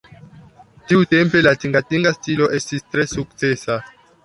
Tiutempe la tingatinga stilo estis tre sukcesa.